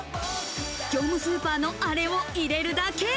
業務スーパーのアレを入れるだけ。